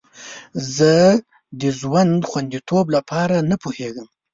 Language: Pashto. زه د ژوند خوندیتوب لپاره نه پوهیږم.